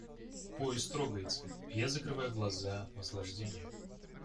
Поезд трогается, и я закрываю глаза от наслаждения.